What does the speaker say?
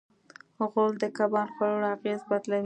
غول د کبان خوړلو اغېز بدلوي.